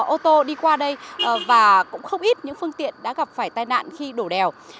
ô tô đi qua đây và cũng không ít những phương tiện đã gặp phải tai nạn khi đổ đèo